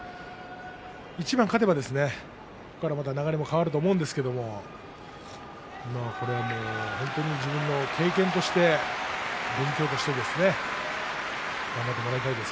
一番、勝てばここから流れも変わると思うんですけども本当に自分の経験として勉強としてですね頑張ってもらいたいです。